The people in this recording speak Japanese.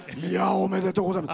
おめでとうございます。